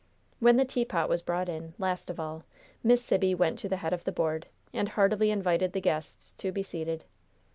When the teapot was brought in, last of all, Miss Sibby went to the head of the board, and heartily invited the guests to be seated.